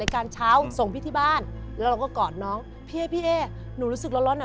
การเช้าส่งพี่ที่บ้านแล้วเราก็กอดน้องพี่เอ๊พี่เอ๊หนูรู้สึกร้อนร้อนอ่ะ